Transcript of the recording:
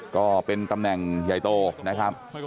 ก็เป็นตำแหน่งใหญ่โตนะครับ